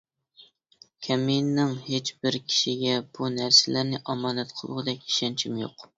كەمىنىنىڭ ھېچبىر كىشىگە بۇ نەرسىلەرنى ئامانەت قىلغۇدەك ئىشەنچىم يوق.